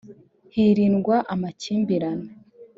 hirindwa amakimbirane